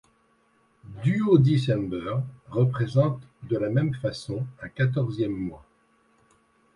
Duodecember représente de la même façon un quatorzième mois.